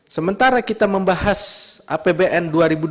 sementara kita membahas apbn dua ribu dua puluh